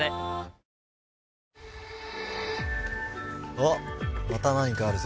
おっまた何かあるぞ。